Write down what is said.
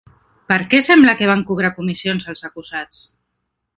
Per què sembla que van cobrar comissions els acusats?